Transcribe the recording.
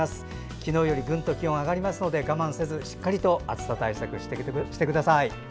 昨日よりぐんと気温が上がりますので我慢せずしっかりと暑さ対策してください。